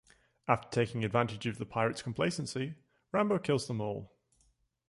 After taking advantage of the pirates' complacency, Rambo kills them all.